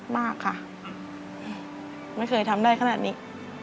มากค่ะไม่เคยทำได้ขนาดนี้